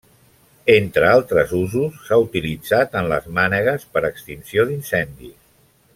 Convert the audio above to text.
Entre altres usos, s'ha utilitzat en les mànegues per a extinció d'incendis.